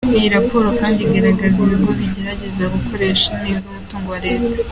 Iyi raporo kandi igaragaza ibigo bigerageza gukoresha neza umutungo wa Leta.